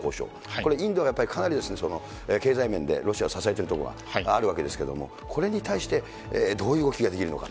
これ、インドがやっぱりかなり経済面でロシアを支えてるところがあるわけですけれども、これに対してどういう動きができるのか。